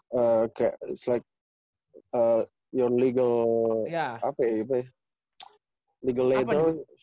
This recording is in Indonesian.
berarti lu kalau misalnya nyebut ijasa berarti ijasa itu